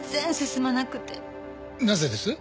なぜです？